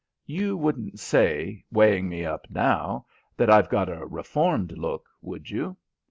You wouldn't say, weighing me up now, that I've got a reformed look, would you?"